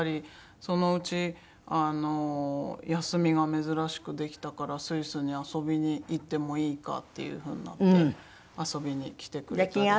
そのうち休みが珍しくできたからスイスに遊びに行ってもいいか？っていう風になって遊びに来てくれたりして。